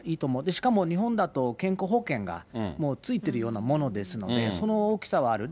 しかも日本だと健康保険がもう付いてるようなものですので、その大きさはある。